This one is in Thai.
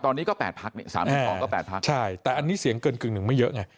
ตอนนี้ก็๘พักเนี่ย๓๒ก็๘พักแต่อันนี้เสียงเกินกึ่งหนึ่งไม่เยอะไง